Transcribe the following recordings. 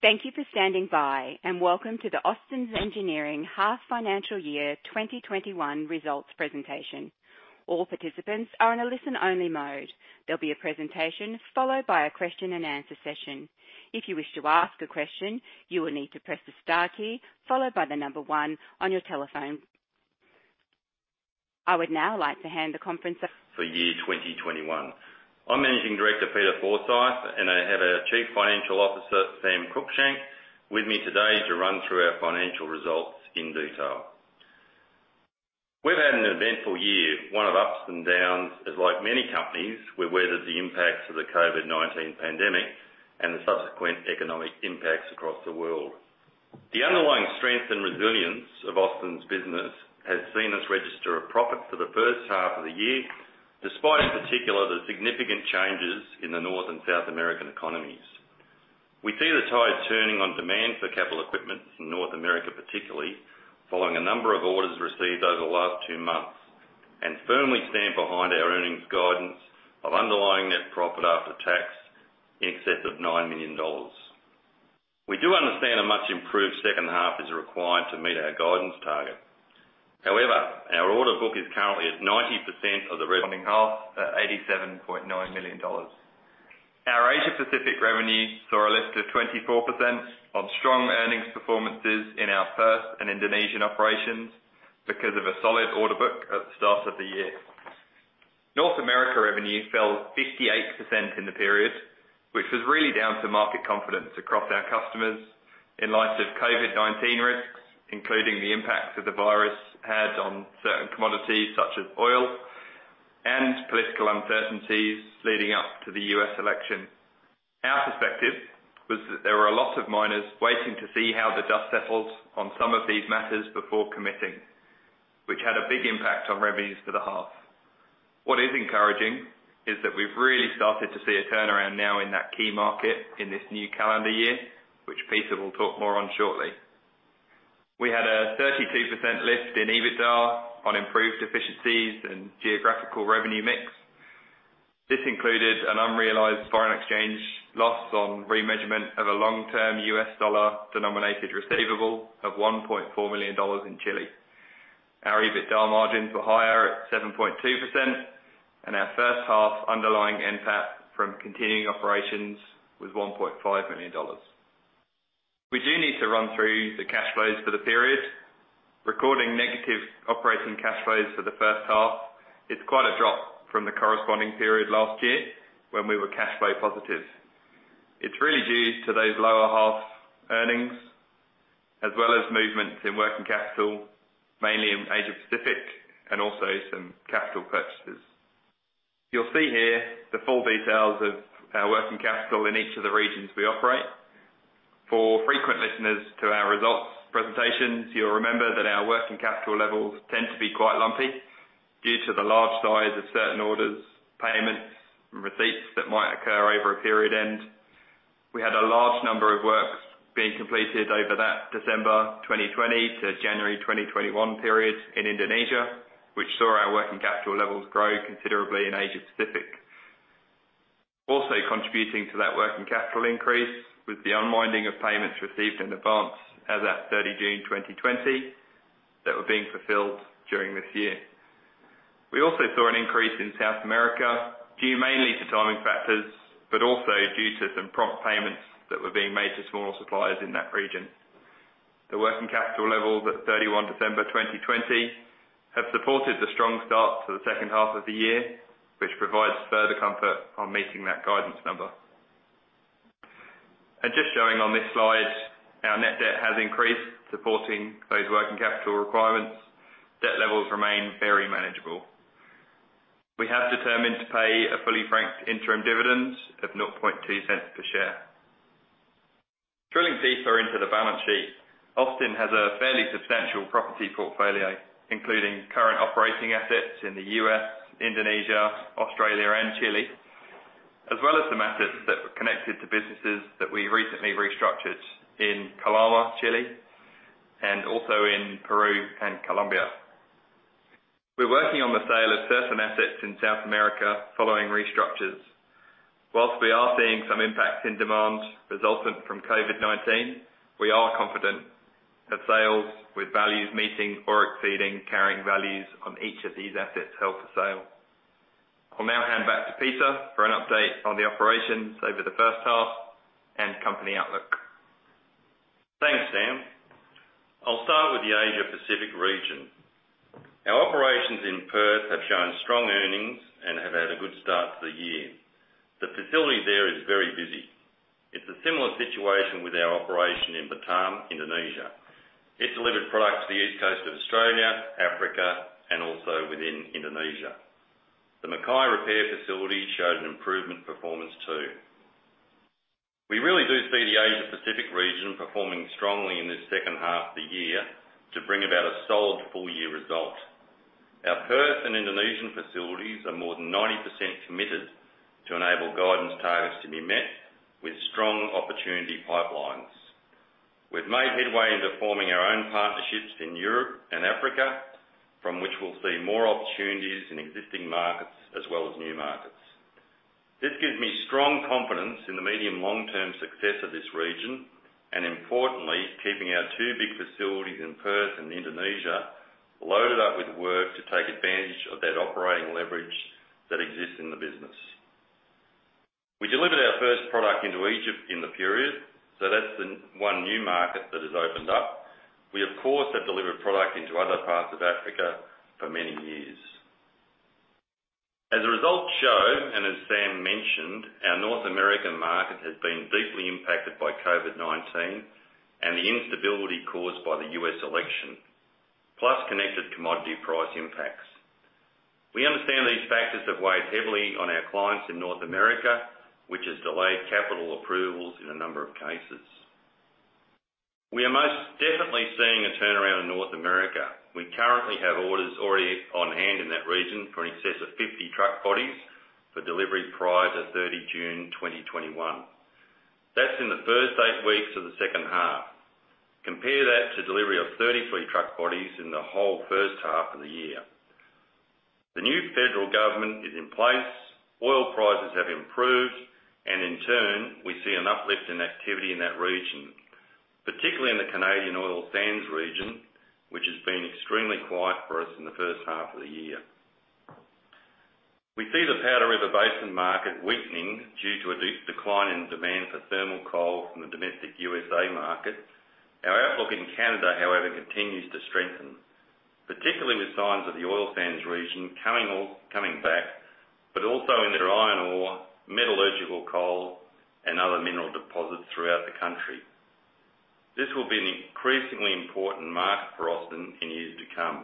Thank you for standing by, and welcome to the Austin Engineering Half Financial Year 2021 Results Presentation. All participants are in a listen-only mode. There'll be a presentation followed by a question and answer session. If you wish to ask a question, you will need to press the star key followed by the number one on your telephone. I would now like to hand the conference- For year 2021. I'm Managing Director, Peter Forsyth, and I have our Chief Financial Officer, Sam Cruickshank, with me today to run through our financial results in detail. We've had an eventful year, one of ups and downs as like many companies, we weathered the impacts of the COVID-19 pandemic and the subsequent economic impacts across the world. The underlying strength and resilience of Austin's business has seen us register a profit for the first half of the year, despite in particular, the significant changes in the North and South American economies. We see the tide turning on demand for capital equipment in North America, particularly following a number of orders received over the last two months, and firmly stand behind our earnings guidance of underlying net profit after tax in excess of 9 million dollars. We do understand a much improved second half is required to meet our guidance target. However, our order book is currently at 90% of the corresponding half at 87.9 million dollars. Our Asia Pacific revenue saw a lift of 24% on strong earnings performances in our Perth and Indonesian operations because of a solid order book at the start of the year. North America revenue fell 58% in the period, which was really down to market confidence across our customers in light of COVID-19 risks, including the impact that the virus had on certain commodities such as oil and political uncertainties leading up to the U.S. election. Our perspective was that there were a lot of miners waiting to see how the dust settles on some of these matters before committing, which had a big impact on revenues for the half. What is encouraging is that we've really started to see a turnaround now in that key market in this new calendar year, which Peter will talk more on shortly. We had a 32% lift in EBITDA on improved efficiencies and geographical revenue mix. This included an unrealized foreign exchange loss on remeasurement of a long-term U.S. dollar denominated receivable of $1.4 million in Chile. Our EBITDA margins were higher at 7.2%, and our first half underlying NPAT from continuing operations was 1.5 million dollars. We do need to run through the cash flows for the period. Recording negative operating cash flows for the first half, it's quite a drop from the corresponding period last year when we were cash flow positive. It's really due to those lower half earnings as well as movements in working capital, mainly in Asia Pacific and also some capital purchases. You'll see here the full details of our working capital in each of the regions we operate. For frequent listeners to our results presentations, you'll remember that our working capital levels tend to be quite lumpy due to the large size of certain orders, payments, and receipts that might occur over a period end. We had a large number of works being completed over that December 2020 to January 2021 periods in Indonesia, which saw our working capital levels grow considerably in Asia Pacific. Also contributing to that working capital increase with the unwinding of payments received in advance as at 30 June 2020 that were being fulfilled during this year. We also saw an increase in South America, due mainly to timing factors, but also due to some prompt payments that were being made to smaller suppliers in that region. The working capital levels at 31 December 2020 have supported the strong start to the second half of the year, which provides further comfort on meeting that guidance number. Just showing on this slide, our net debt has increased, supporting those working capital requirements. Debt levels remain very manageable. We have determined to pay a fully franked interim dividend of 0.002 per share. Drilling deeper into the balance sheet, Austin has a fairly substantial property portfolio, including current operating assets in the U.S., Indonesia, Australia and Chile, as well as some assets that were connected to businesses that we recently restructured in Calama, Chile, and also in Peru and Colombia. We're working on the sale of certain assets in South America following restructures. Whilst we are seeing some impact in demand resultant from COVID-19, we are confident that sales with values meeting or exceeding carrying values on each of these assets held for sale. I'll now hand back to Peter for an update on the operations over the first half and company outlook. Thanks, Sam. I'll start with the Asia Pacific region. Our operations in Perth have shown strong earnings and have had a good start to the year. The facility there is very busy. It's a similar situation with our operation in Batam, Indonesia. It delivered products to the east coast of Australia, Africa, and also within Indonesia. The Mackay repair facility showed an improvement performance too. We really do see the Asia Pacific region performing strongly in this second half of the year to bring about a solid full-year result. Our Perth and Indonesian facilities are more than 90% committed to enable guidance targets to be met with strong opportunity pipelines. We've made headway into forming our own partnerships in Europe and Africa, from which we'll see more opportunities in existing markets as well as new markets. This gives me strong confidence in the medium long-term success of this region, and importantly, keeping our two big facilities in Perth and Indonesia loaded up with work to take advantage of that operating leverage that exists in the business. We delivered our first product into Egypt in the period, so that's the one new market that has opened up. We, of course, have delivered product into other parts of Africa for many years. As the results show, and as Sam mentioned, our North American market has been deeply impacted by COVID-19 and the instability caused by the U.S. election, plus connected commodity price impacts. We understand these factors have weighed heavily on our clients in North America, which has delayed capital approvals in a number of cases. We are most definitely seeing a turnaround in North America. We currently have orders already on hand in that region for in excess of 50 truck bodies for delivery prior to 30 June 2021. That's in the first eight weeks of the second half. Compare that to delivery of 33 truck bodies in the whole first half of the year. The new federal government is in place, oil prices have improved, and in turn, we see an uplift in activity in that region. Particularly in the Canadian Oil Sands Region, which has been extremely quiet for us in the first half of the year. We see the Powder River Basin market weakening due to a decline in demand for thermal coal from the domestic USA market. Our outlook in Canada, however, continues to strengthen, particularly with signs of the Oil Sands Region coming back, but also in their iron ore, metallurgical coal, and other mineral deposits throughout the country. This will be an increasingly important market for Austin in years to come.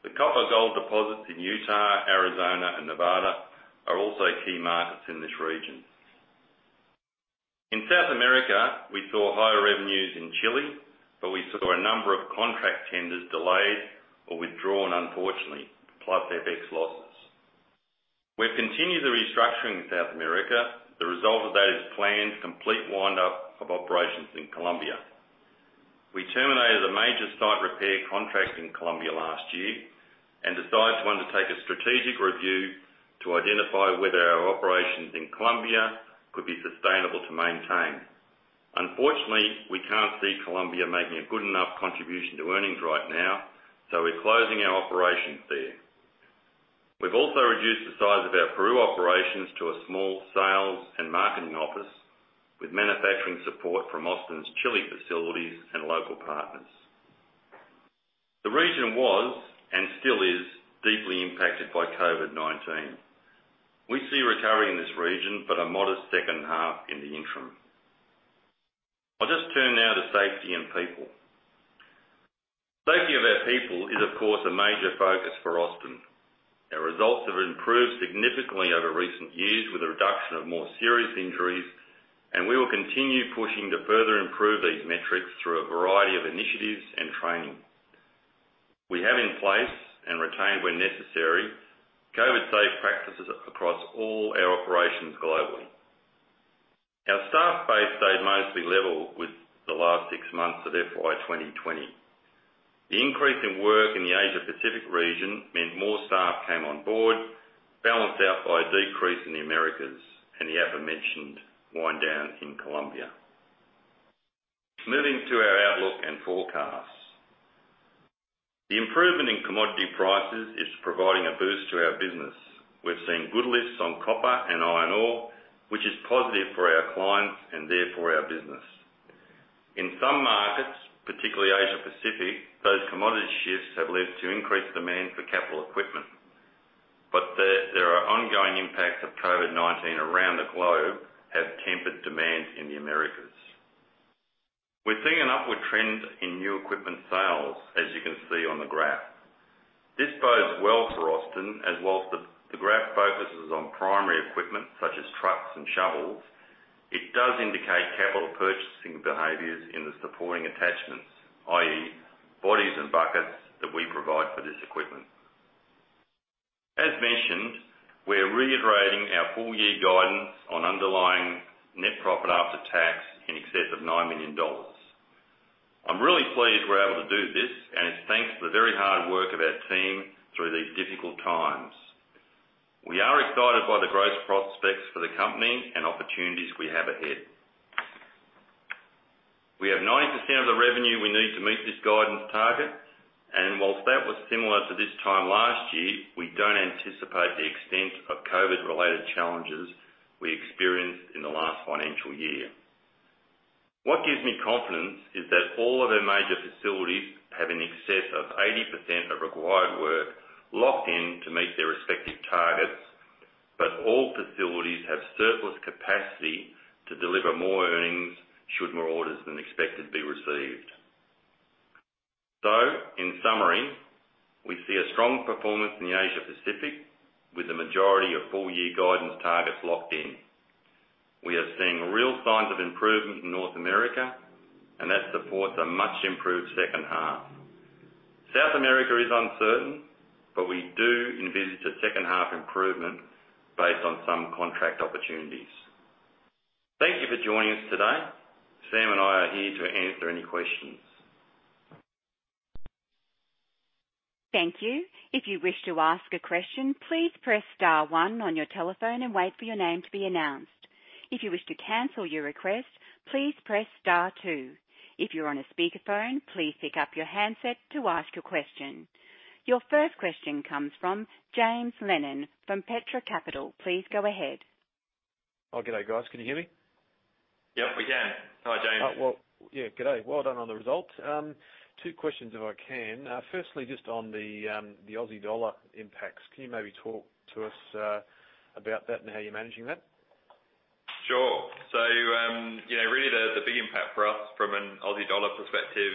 The copper-gold deposits in Utah, Arizona, and Nevada are also key markets in this region. In South America, we saw higher revenues in Chile, but we saw a number of contract tenders delayed or withdrawn, unfortunately, plus FX losses. We've continued the restructuring in South America. The result of that is planned complete wind up of operations in Colombia. We terminated a major site repair contract in Colombia last year and decided to undertake a strategic review to identify whether our operations in Colombia could be sustainable to maintain. Unfortunately, we can't see Colombia making a good enough contribution to earnings right now, so we're closing our operations there. We've also reduced the size of our Peru operations to a small sales and marketing office with manufacturing support from Austin's Chile facilities and local partners. The region was, and still is, deeply impacted by COVID-19. We see a recovery in this region, but a modest second half in the interim. I'll just turn now to safety and people. Safety of our people is, of course, a major focus for Austin. Our results have improved significantly over recent years with a reduction of more serious injuries, and we will continue pushing to further improve these metrics through a variety of initiatives and training. We have in place, and retained when necessary, COVID-safe practices across all our operations globally. Our staff base stayed mostly level with the last six months of FY 2020. The increase in work in the Asia-Pacific region meant more staff came on board, balanced out by a decrease in the Americas and the aforementioned wind down in Colombia. Moving to our outlook and forecasts. The improvement in commodity prices is providing a boost to our business. We've seen good lifts on copper and iron ore, which is positive for our clients and therefore our business. In some markets, particularly Asia Pacific, those commodity shifts have led to increased demand for capital equipment. There are ongoing impacts of COVID-19 around the globe have tempered demand in the Americas. We're seeing an upward trend in new equipment sales, as you can see on the graph. This bodes well for Austin as whilst the graph focuses on primary equipment such as trucks and shovels, it does indicate capital purchasing behaviors in the supporting attachments, i.e. bodies and buckets that we provide for this equipment. As mentioned, we are reiterating our full year guidance on underlying net profit after tax in excess of 9 million dollars. I'm really pleased we're able to do this, and it's thanks to the very hard work of our team through these difficult times. We are excited by the growth prospects for the company and opportunities we have ahead. We have 90% of the revenue we need to meet this guidance target, and whilst that was similar to this time last year, we don't anticipate the extent of COVID-related challenges we experienced in the last financial year. What gives me confidence is that all of our major facilities have in excess of 80% of required work locked in to meet their respective targets, but all facilities have surplus capacity to deliver more earnings should more orders than expected be received. In summary, we see a strong performance in the Asia-Pacific with the majority of full-year guidance targets locked in. We are seeing real signs of improvement in North America, and that supports a much improved second half. South America is uncertain, but we do envisage a second half improvement based on some contract opportunities. Thank you for joining us today. Sam and I are here to answer any questions. Thank you. If you wish to ask a question, please press star one on your telephone and wait for your name to be announced. If you wish to cancel your request, please press star two. If you're on a speakerphone, please pick up your handset to ask a question. Your first question comes from James Lennon from Petra Capital. Please go ahead. Oh, good day, guys. Can you hear me? Yep, we can. Hi, James. Yeah, good day. Well done on the results. Two questions if I can. Just on the Aussie dollar impacts. Can you maybe talk to us about that and how you're managing that? Sure. Really the big impact for us from an AUD perspective,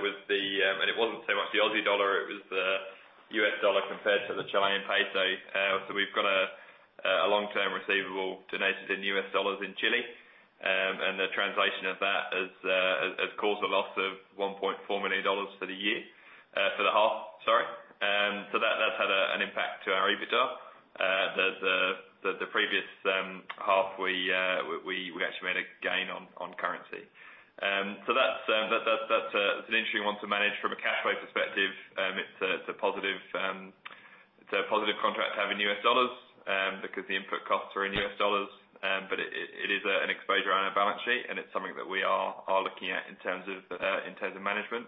and it wasn't so much the AUD, it was the USD compared to the Chilean peso. We've got a long-term receivable denoted in USD in Chile, and the translation of that has caused a loss of $1.4 million for the year, for the half, sorry. That's had an impact to our EBITDA. The previous half, we actually made a gain on currency. That's an interesting one to manage from a cash flow perspective. It's a positive contract to have in USD because the input costs are in USD. It is an exposure on our balance sheet, and it's something that we are looking at in terms of management.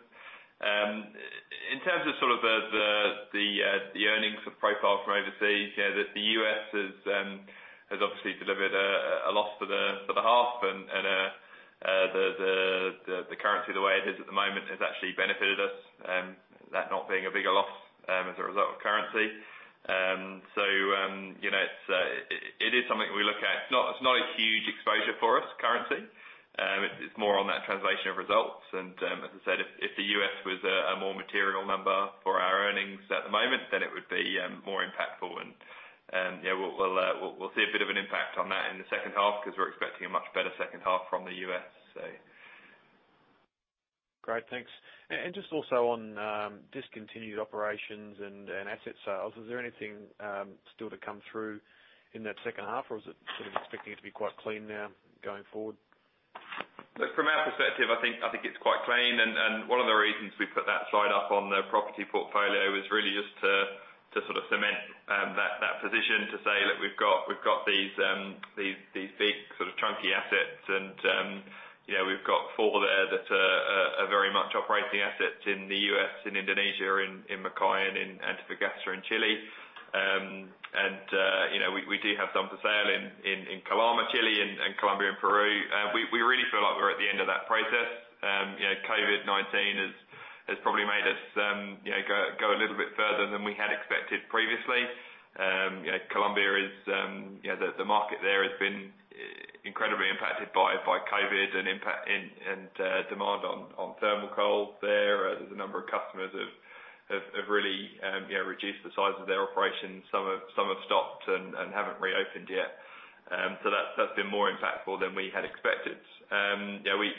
In terms of the earnings profile from overseas, the U.S. has obviously delivered a loss for the half and the currency, the way it is at the moment, has actually benefited us. That not being a bigger loss as a result of currency. It is something we look at. It's not a huge exposure for us, currency. It's more on that translation of results and as I said, if the U.S. was a more material number for our earnings at the moment, then it would be more impactful. We'll see a bit of an impact on that in the second half because we're expecting a much better second half from the U.S. Great, thanks. Just also on discontinued operations and asset sales, is there anything still to come through in that second half or is it expecting it to be quite clean now going forward? Look, from our perspective, I think it's quite clean and one of the reasons we put that slide up on the property portfolio is really just to sort of cement that position to say that we've got these big sort of chunky assets and we've got four there that are very much operating assets in the U.S., in Indonesia, in Mackay and in Antofagasta in Chile. We do have some for sale in Calama, Chile and Colombia and Peru. We really feel like we're at the end of that process. COVID-19 has probably made us go a little bit further than we had expected previously. Colombia, the market there has been incredibly impacted by COVID and demand on thermal coal there. There's a number of customers that have really reduced the size of their operations. Some have stopped and haven't reopened yet. That's been more impactful than we had expected.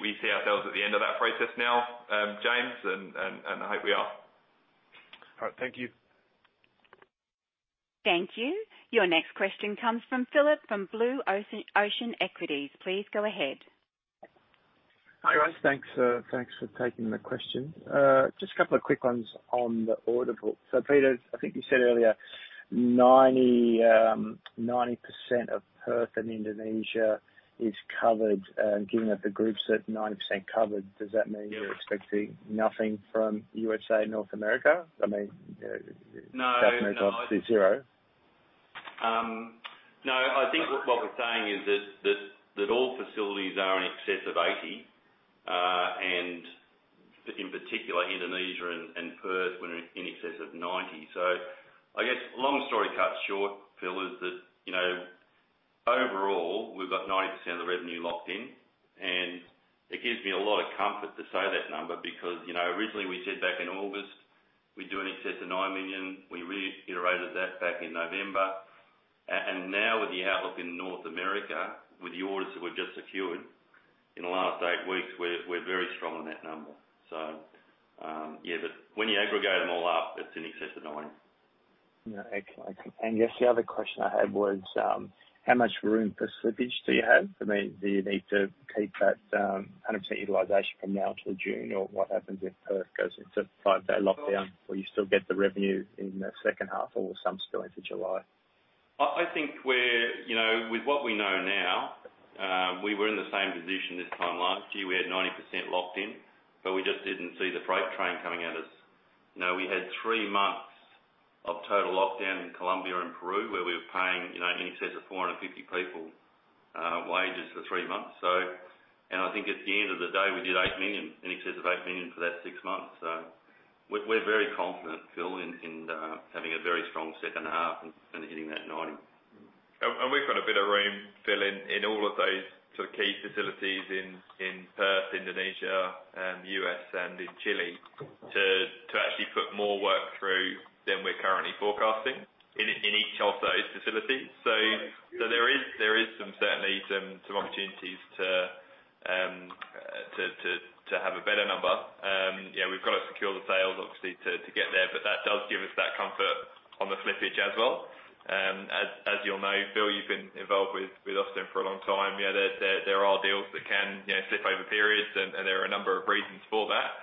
We see ourselves at the end of that process now, James, and I hope we are. All right. Thank you. Thank you. Your next question comes from Philip from Blue Ocean Equities. Please go ahead. Hi guys. Thanks for taking the question. Just a couple of quick ones on the order book. Peter, I think you said earlier 90% of Perth and Indonesia is covered. Given that the group said 90% covered, does that mean you're expecting nothing from U.S., North America? No I think what we're saying is that all facilities are in excess of 80, and in particular Indonesia and Perth were in excess of 90. I guess long story cut short, Philip, is that overall we've got 90% of the revenue locked in and it gives me a lot of comfort to say that number because originally we said back in August we'd do in excess of 9 million. We reiterated that back in November. Now with the outlook in North America with the orders that we've just secured in the last eight weeks, we're very strong on that number. When you aggregate them all up, it's in excess of 90. Yeah. Excellent. I guess the other question I had was how much room percentage do you have? I mean, do you need to keep that 100% utilization from now till June or what happens if Perth goes into a five-day lockdown? Will you still get the revenue in the second half or some spill into July? I think with what we know now, we were in the same position this time last year. We had 90% locked in, we just didn't see the freight train coming at us. We had three months of total lockdown in Colombia and Peru where we were paying in excess of 450 people wages for three months. I think at the end of the day we did 8 million, in excess of 9 million for that six months. We're very confident, Phil, in having a very strong second half and hitting that 90%. We've got a bit of room, Philip, in all of those sort of key facilities in Perth, Indonesia, U.S. and in Chile to actually put more work. Currently forecasting in each of those facilities. There is certainly some opportunities to have a better number. We've got to secure the sales obviously to get there, but that does give us that comfort on the slippage as well. As you'll know, Philip, you've been involved with Austin for a long time. There are deals that can slip over periods and there are a number of reasons for that.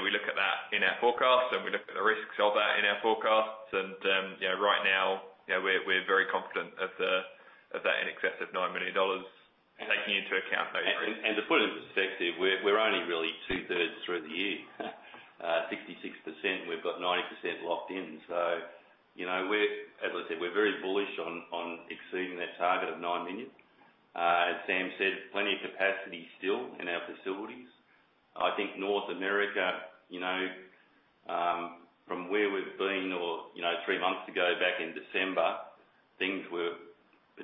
We look at that in our forecasts and we look at the risks of that in our forecasts and right now, we're very confident of that in excess of 9 million dollars, taking into account those risks. To put it in perspective, we're only really two-thirds through the year. 66%, we've got 90% locked in. As I said, we're very bullish on exceeding that target of 9 million. As Sam said, plenty of capacity still in our facilities. I think North America from where we've been or three months ago back in December, things were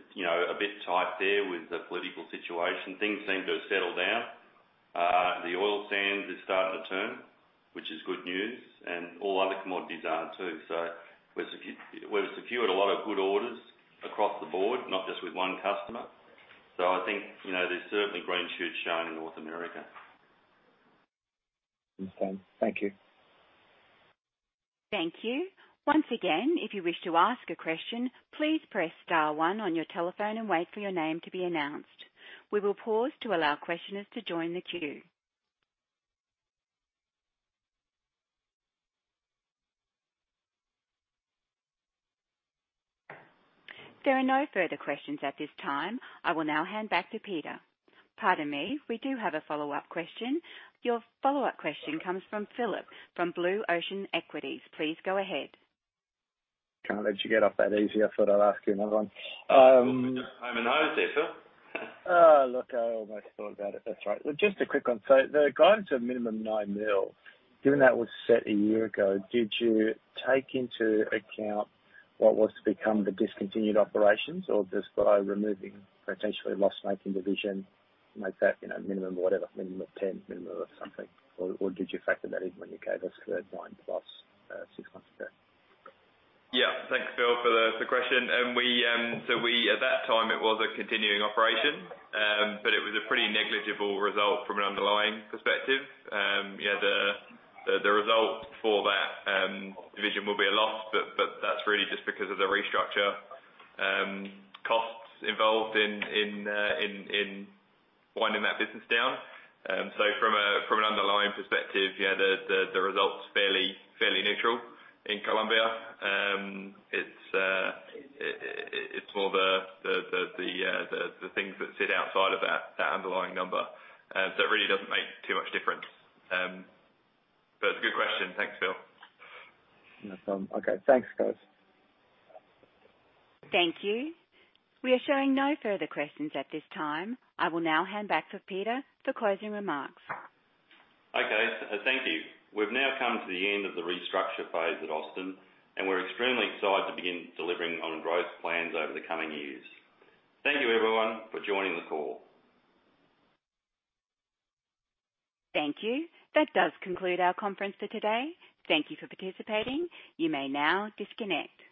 a bit tight there with the political situation. Things seem to have settled down. The Oil Sands is starting to turn, which is good news, and all other commodities are too. We've secured a lot of good orders across the board, not just with one customer. I think there's certainly green shoots showing in North America. Understood. Thank you. Thank you. Once again, if you wish to ask a question, please press star one on your telephone and wait for your name to be announced. We will pause to allow questioners to join the queue. There are no further questions at this time. I will now hand back to Peter. Pardon me, we do have a follow-up question. Your follow-up question comes from Philip from Blue Ocean Equities. Please go ahead. Can't let you get off that easy. I thought I'd ask you another one. Hope we've hit the high note there, Philip. Oh, look, I almost thought about it. That's right. Well, just a quick one. The guidance of minimum 9 million, given that was set a year ago, did you take into account what was to become the discontinued operations? Just by removing potentially a loss-making division, make that minimum whatever, minimum of 10 million, minimum of something, or did you factor that in when you gave us the nine plus six months ago? Yeah. Thanks, Philip, for the question. At that time it was a continuing operation, but it was a pretty negligible result from an underlying perspective. Yeah, the result for that division will be a loss, but that's really just because of the restructure costs involved in winding that business down. From an underlying perspective, yeah, the result's fairly neutral in Colombia. It's more the things that sit outside of that underlying number. It really doesn't make too much difference. But it's a good question. Thanks, Philip. No problem. Okay, thanks, guys. Thank you. We are showing no further questions at this time. I will now hand back to Peter for closing remarks. Okay. Thank you. We've now come to the end of the restructure phase at Austin, and we're extremely excited to begin delivering on growth plans over the coming years. Thank you, everyone, for joining the call. Thank you. That does conclude our conference for today. Thank you for participating. You may now disconnect.